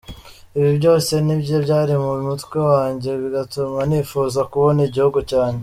Ibi byose nibyo byari mu mutwe wanjye bigatuma nifuza kubona igihugu cyanjye.